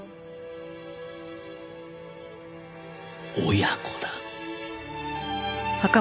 親子だ。